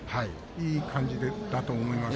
いい感じだと思います。